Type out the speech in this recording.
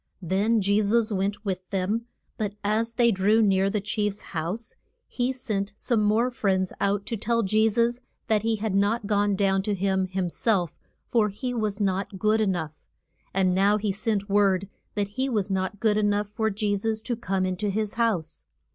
Then Je sus went with them. But as they drew near the chief's house he sent some more friends out to tell Je sus that he had not gone down to him him self, for he was not good e nough. And now he sent word that he was not good e nough for Je sus to come in to his house.